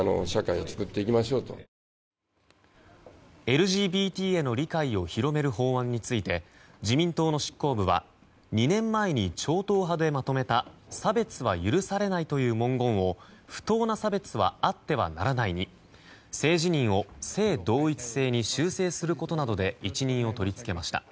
ＬＧＢＴへの理解を広める法案について自民党の執行部は２年前に超党派でまとめた差別は許されないという文言を不当な差別はあってはならないに性自認を性同一性に修正することなどで一任を取り付けました。